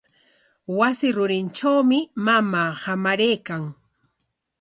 Wasi rurintrawmi mamaa hamaraykan.